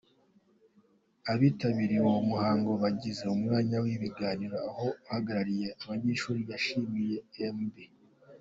Abitabiriye uwo muhango bagize umwanya w’ibiganiro, aho uhagarariye abanyeshuri yashimiye Amb.